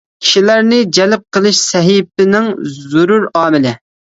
كىشىلەرنى جەلپ قىلىش سەھىپىنىڭ زۆرۈر ئامىلى.